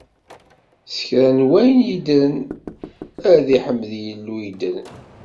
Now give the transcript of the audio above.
S kra n wayen yeddren ad iḥmed Illu yeddren!